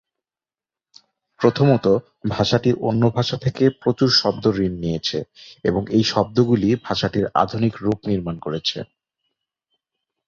প্রথমত, ভাষাটি অন্য ভাষা থেকে প্রচুর শব্দ ঋণ নিয়েছে এবং এই শব্দগুলি ভাষাটির আধুনিক রূপ নির্মাণ করেছে।